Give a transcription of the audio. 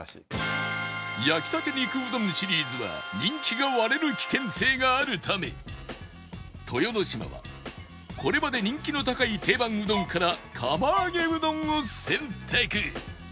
焼きたて肉うどんシリーズは人気が割れる危険性があるため豊ノ島はこれまで人気の高い定番うどんから釜揚げうどんを選択